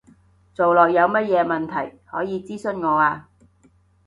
做落有乜嘢問題，可以諮詢我啊